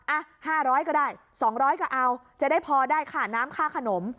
อะห้าร้อยก็ได้สองร้อยก็เอาจะได้พอได้ค่ะน้ำค่าขนม